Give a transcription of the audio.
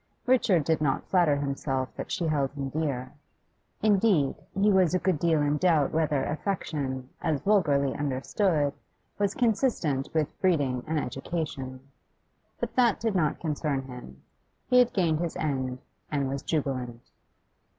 Richard did not flatter himself that she held him dear; indeed, he was a good deal in doubt whether affection, as vulgarly understood, was consistent with breeding and education. But that did not concern him; he had gained his end, and was jubilant.